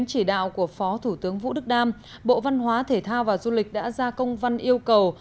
chỉ đạo của phó thủ tướng vũ đức đam bộ văn hóa thể thao và du lịch đã ra công văn yêu cầu